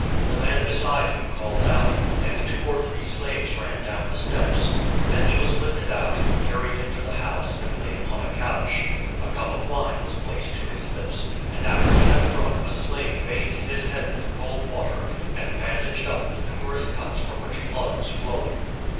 The man beside him called out, and two or three slaves ran down the steps. Then he was lifted out, carried into the house, and laid upon a couch. A cup of wine was placed to his lips, and after he had drunk a slave bathed his head with cold water, and bandaged up the numerous cuts from which blood was flowing.